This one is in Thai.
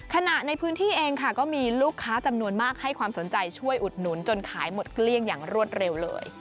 ขณะในพื้นที่เองค่ะก็มีลูกค้าจำนวนมากให้ความสนใจช่วยอุดหนุนจนขายหมดเกลี้ยงอย่างรวดเร็วเลย